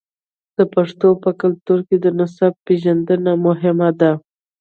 د پښتنو په کلتور کې د نسب پیژندنه مهمه ده.